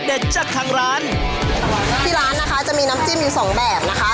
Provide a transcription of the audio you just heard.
จากทางร้านที่ร้านนะคะจะมีน้ำจิ้มอยู่สองแบบนะคะ